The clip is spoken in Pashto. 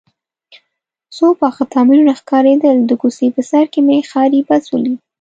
څو پاخه تعمیرونه ښکارېدل، د کوڅې په سر کې مې ښاري بس ولید.